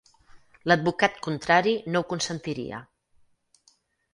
L'advocat contrari no ho consentiria.